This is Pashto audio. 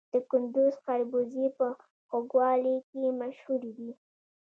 د کندز خربوزې په خوږوالي کې مشهورې دي.